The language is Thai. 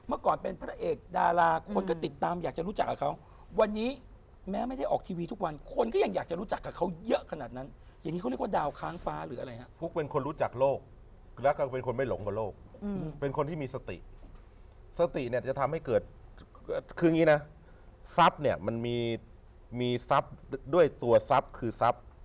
อืมเป็นคนที่มีสติสติเนี่ยจะทำให้เกิดคืออย่างงี้นะทรัพย์เนี่ยมันมีมีทรัพย์ด้วยตัวทรัพย์คือทรัพย์